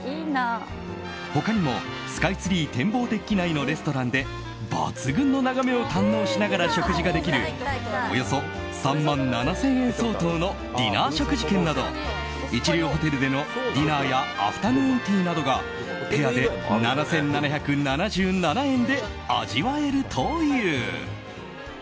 他にもスカイツリー天望デッキ内のレストランで抜群の眺めを堪能しながら食事ができるおよそ３万７０００円相当のディナー食事券など一流ホテルでのディナーやアフタヌーンティーなどがペアで７７７７円で味わえるという。